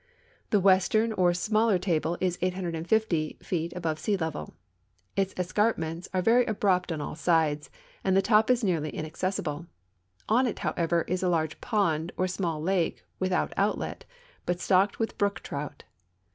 The western or smaller table is 850 feet above sea level. Its es carpments are very abrupt on all sides, and the top is nearly inaccessible. On it, however, is a large pond or small lake with out outlet, but stocked with brook trout.